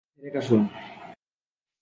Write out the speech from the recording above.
একটু ঝেড়ে কাশুন!